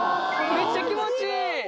めっちゃ気持ちいい。